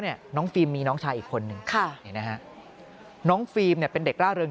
เนี่ยน้องฟิล์มมีน้องชายอีกคนนึงค่ะน้องฟิล์มเป็นเด็กร่าเริง